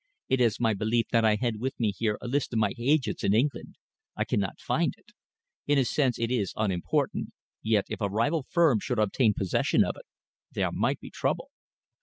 "It is my belief that I had with me here a list of my agents in England. I cannot find it. In a sense it is unimportant, yet if a rival firm should obtain possession of it, there might be trouble."